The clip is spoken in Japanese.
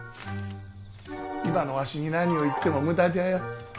今のわしに何を言っても無駄じゃよ。